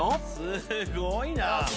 すごいな！